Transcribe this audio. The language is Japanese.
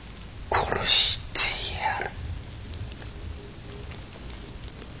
殺してやる。